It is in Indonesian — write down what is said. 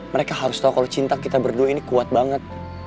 mereka harus tahu kalau cinta kita berdua ini kuat banget